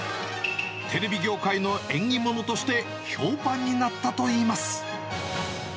テレビ業界の縁起物として、評判になったといいます。